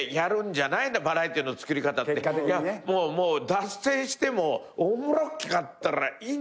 脱線してもおもろかったらいい。